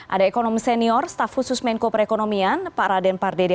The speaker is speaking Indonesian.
ada ekonom senior staf khusus menko perekonomian pak raden pardede